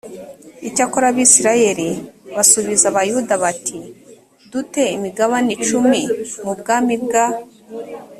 icyakora abisirayeli basubiza abayuda bati du te imigabane icumi mu bwami bwa